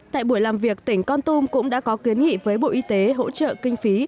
tại buổi làm việc tỉnh con tum cũng đã có kiến nghị với bộ y tế hỗ trợ kinh phí